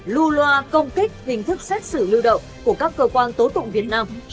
lưu loa công kích hình thức xét xử lưu động của các cơ quan tố tụng việt nam